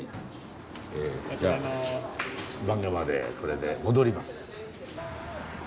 じゃあ坂下までこれで戻ります。